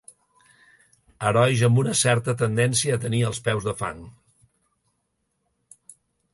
Herois amb una certa tendència a tenir els peus de fang.